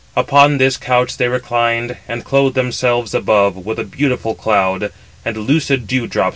Upon this [couch] they reclined, and clothed themselves above with a beautiful golden cloud; and lucid dew drops fell from it.